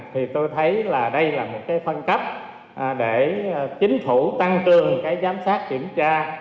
thì tôi thấy là đây là một cái phân cấp để chính phủ tăng cường cái giám sát kiểm tra